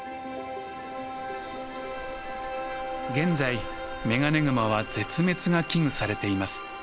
現在メガネグマは絶滅が危惧されています。